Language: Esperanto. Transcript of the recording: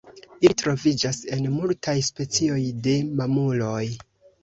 Ili troviĝas en multaj specioj de mamuloj.